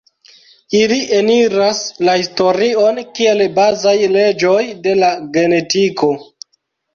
Ili eniras la historion kiel bazaj leĝoj de la genetiko.